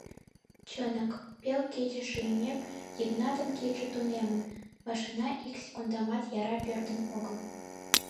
Чынак, пел кече шиймек, Йыгнатын кидше тунемын, машина ик секундымат яра пӧрдын огыл.